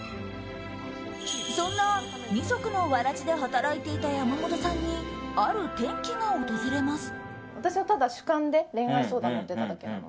そんな二足のわらじで働いていた山本さんにある転機が訪れます。